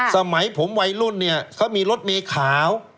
สมัยผมวัยรุ่นเนี่ยเขามีรถเมย์ขาว